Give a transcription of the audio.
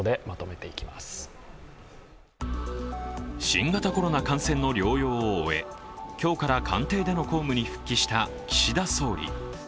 新型コロナ感染の療養を終え今日から官邸での公務に復帰した岸田総理。